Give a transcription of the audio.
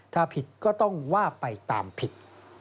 ถ้าผิดก็ต้องว่าไปตามผิด